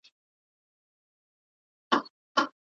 چوکۍ د وخت ارزښت ښووي.